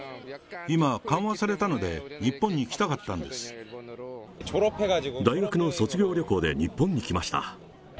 今、緩和されたので、日本に来た大学の卒業旅行で日本に来ました。